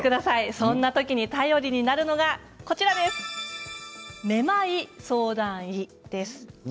そんな時に頼りになるのがめまい相談医です。